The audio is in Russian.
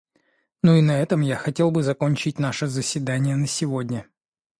Ну и на этом я хотел бы закончить наше заседание на сегодня.